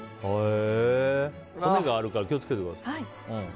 骨があるから気を付けてください。